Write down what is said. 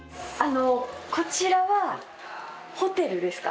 こちらはホテルですか？